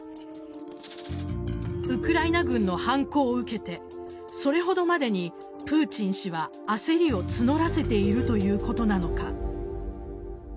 ウクライナ軍の反攻を受けてそれほどまでに、プーチン氏は焦りを募らせているということなのか。